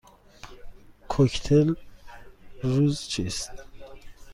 کوکتل روز چیست؟